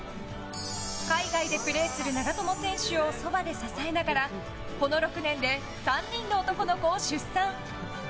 海外でプレーする長友選手をそばで支えながらこの６年で３人の男の子を出産。